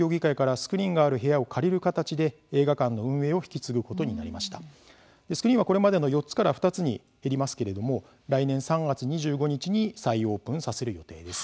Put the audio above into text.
スクリーンは、これまでの４つから２つに減りますけれども来年３月２５日に再オープンさせる予定です。